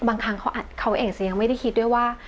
บางครั้งเขาเองจะยังไม่ได้คิดด้วยว่า